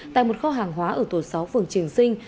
tại một kho hàng hóa ở tổ sáu phường triền sinh